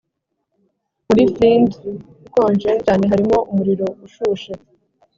muri flint ikonje cyane harimo umuriro ushushe